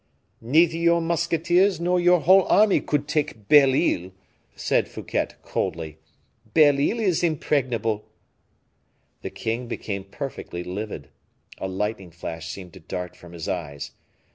"Neither your musketeers, nor your whole army could take Belle Isle," said Fouquet, coldly. "Belle Isle is impregnable." The king became perfectly livid; a lightning flash seemed to dart from his eyes.